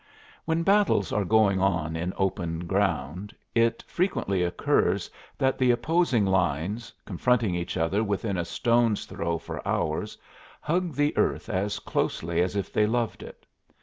When battles are going on in open ground it frequently occurs that the opposing lines, confronting each other within a stone's throw for hours, hug the earth as closely as if they loved it.